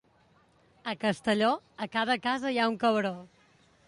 A Castelló, a cada casa hi ha un cabró.